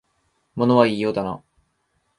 物は言いようだな